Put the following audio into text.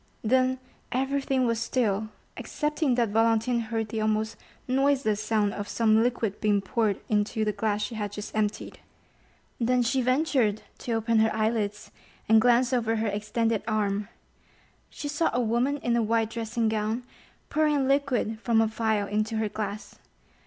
Then everything was still, excepting that Valentine heard the almost noiseless sound of some liquid being poured into the glass she had just emptied. Then she ventured to open her eyelids, and glance over her extended arm. She saw a woman in a white dressing gown pouring a liquor from a phial into her glass.